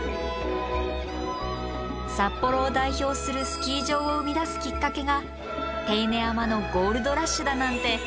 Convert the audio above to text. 札幌を代表するスキー場を生み出すきっかけが手稲山のゴールドラッシュだなんて。